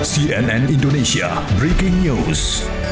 cnn indonesia breaking news